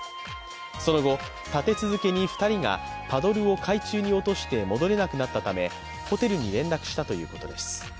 その後、立て続けに２人がパドルを海中に落として戻れなくなったためホテルに連絡したということです。